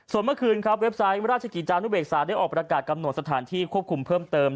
ส่วนเมื่อคืนครับเว็บไซต์ราชกิจจานุเบกษาได้ออกประกาศกำหนดสถานที่ควบคุมเพิ่มเติม